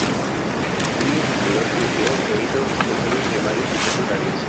Allí en su ciudad creció e hizo sus estudios primarios y secundarios.